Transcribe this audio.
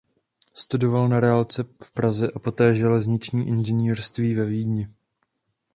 Studoval na reálce v Praze a poté železniční inženýrství ve Vídni.